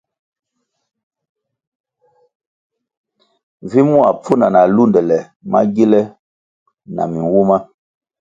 Vi mua pfuna na lundele magile na minwuma.